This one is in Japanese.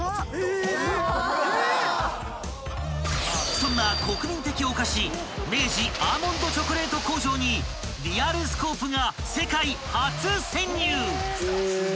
［そんな国民的お菓子明治アーモンドチョコレート工場に『リアルスコープ』が］